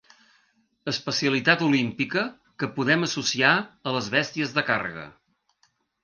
Especialitat olímpica que podem associar a les bèsties de càrrega.